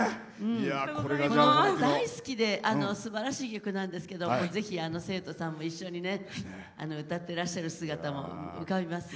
この歌、大好きですばらしい曲なんですけどぜひ生徒さんも一緒に歌ってらっしゃる姿も浮かびます。